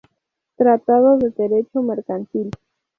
Tratado de Derecho Mercantil.